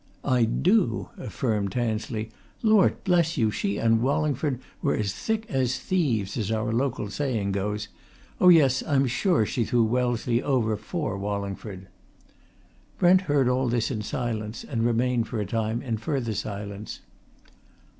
"I do!" affirmed Tansley. "Lord bless you, she and Wallingford were as thick as thieves, as our local saying goes. Oh, yes, I'm sure she threw Wellesley over for Wallingford." Brent heard all this in silence, and remained for a time in further silence.